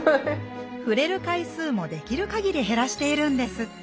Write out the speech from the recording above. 触れる回数もできる限り減らしているんですって。